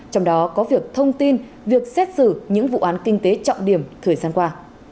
trong đó có việc thông tin việc xét xử những vụ án kinh tế trọng điểm thời gian qua